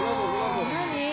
「何？」